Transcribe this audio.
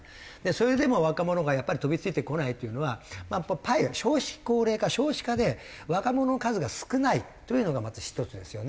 それでも若者がやっぱり飛びついてこないっていうのはパイが少子高齢化少子化で若者の数が少ないというのがまず１つですよね。